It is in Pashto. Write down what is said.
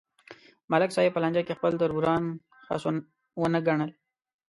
ملک صاحب په لانجه کې خپل تربوران خس ونه گڼل